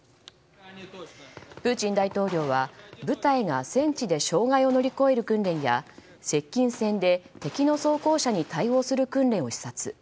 プーチン大統領は部隊が戦地で障害を乗り越える訓練や接近戦で敵の装甲車に対応する訓練を視察。